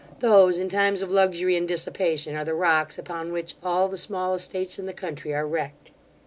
Those, in times of luxury and dissipation, are the rocks upon which all the small estates in the country are wrecked.